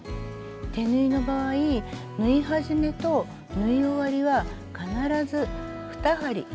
手縫いの場合縫い始めと縫い終わりは必ず２針返し縫いをして下さい。